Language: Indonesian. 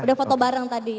udah foto bareng tadi